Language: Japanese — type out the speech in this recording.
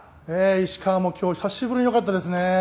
石川も今日、久しぶりによかったですね。